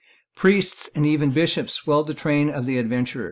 Priests and even Bishops swelled the train of the adventurer.